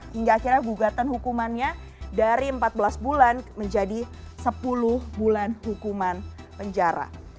hingga akhirnya gugatan hukumannya dari empat belas bulan menjadi sepuluh bulan hukuman penjara